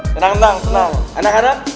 saya janji enggak telat lagi saya janji enggak